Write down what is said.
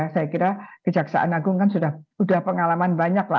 saya kira kejaksaan agung kan sudah pengalaman banyak lah